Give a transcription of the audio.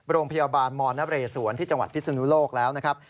โรงพยาบาลมนเรศวรที่จังหวัดพิศนุโลกแล้วนะครับ